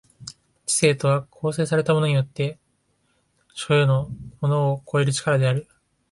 知性とは構成されたものによって所与のものを超える力である。